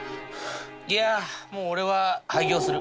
いやもう俺は廃業する。